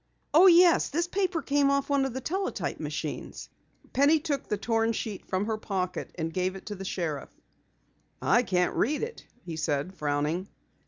Oh, yes, this paper came off one of the teletype machines." Penny took the torn sheet from her pocket and gave it to the sheriff. "I can't read it," he said, frowning.